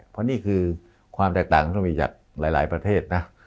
เพราะนี่คือความแตกต่างต้องมีจากหลายประเทศนะ